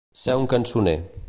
Ser un cançoner.